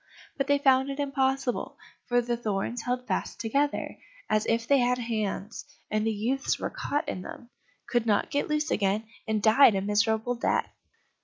But they found it impossible, for the thorns held fast together, as if they had hands, and the youths were caught in them, could not get loose again, and died a miserable death.